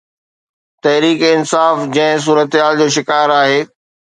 تحريڪ انصاف جنهن صورتحال جو شڪار آهي.